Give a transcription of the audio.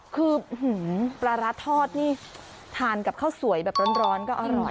คือปลาร้าทอดนี่ทานกับข้าวสวยแบบร้อนก็อร่อย